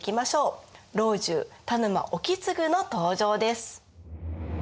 老中・田沼意次の登場です。